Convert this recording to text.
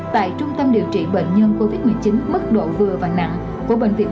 tại trung tâm điều trị bệnh nhân covid một mươi chín mức độ vừa và nặng của bệnh viện